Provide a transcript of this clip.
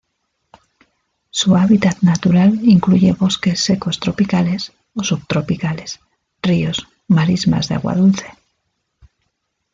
Su hábitat natural incluye bosques secos tropicales o subtropicales, ríos, marismas de agua dulce.